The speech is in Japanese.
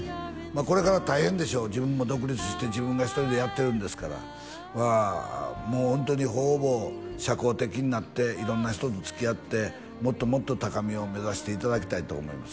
これから大変でしょう自分も独立して自分が一人でやってるんですからもうホントに方々社交的になって色んな人と付き合ってもっともっと高みを目指していただきたいと思います